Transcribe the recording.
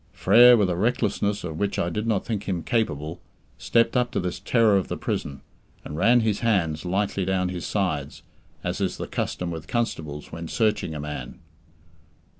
Frere, with a recklessness of which I did not think him capable, stepped up to this terror of the prison, and ran his hands lightly down his sides, as is the custom with constables when "searching" a man.